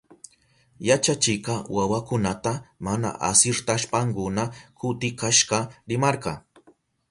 Yachachikka wawakunata mana asirtashpankuna kutikashka rimarka.